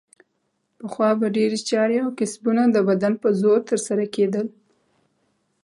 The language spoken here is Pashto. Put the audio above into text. پخوا به ډېرې چارې او کسبونه د بدن په زور ترسره کیدل.